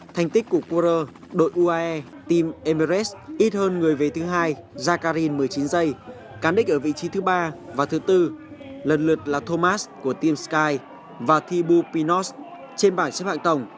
thành tích của currer đội uae team emirates ít hơn người về thứ hai zakarin một mươi chín giây cán đích ở vị trí thứ ba và thứ bốn lần lượt là thomas của team sky và thibaut pinot trên bảng xếp hạng tổng